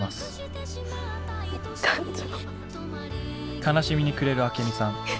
悲しみに暮れるアケミさん。